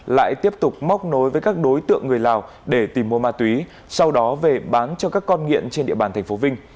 lại tiếp tục móc nối với các đối tượng người lào để tìm mua ma túy sau đó về bán cho các con nghiện trên địa bàn tp vinh